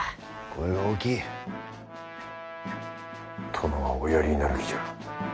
殿はおやりになる気じゃ。